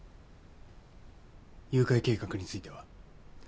誘拐計画については？